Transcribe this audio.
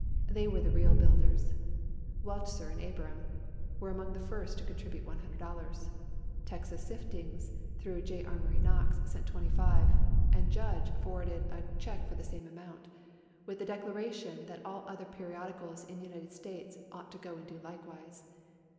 They were the real builders. Wechsler and Abraham were among the first to contribute $100, "Texas Siftings" through J. Amory Knox sent $25, and "Judge" forwarded a cheque for the same amount, with the declaration that all other periodicals in the United States ought to go and do likewise.